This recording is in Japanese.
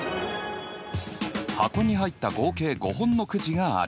箱に入った合計５本のくじがある。